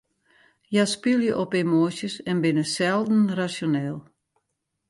Hja spylje op emoasjes en binne selden rasjoneel.